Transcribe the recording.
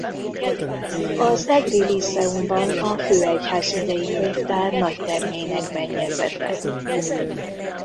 Az egri Líceumban a főegyházmegyei könyvtár nagytermének mennyezete.